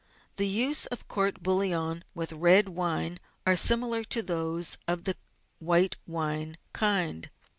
The uses of court bouillon with red wine are similar to those of the white wine kind.